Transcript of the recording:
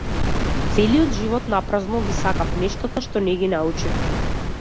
Целиот живот напразно ги сакав нештата што не ги научив.